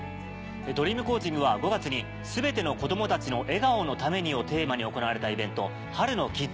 「ドリームコーチング」は５月に「全ての子供たちの笑顔のために」をテーマに行われたイベント。